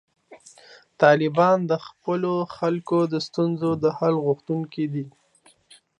طالبان د خپلو خلکو د ستونزو د حل غوښتونکي دي.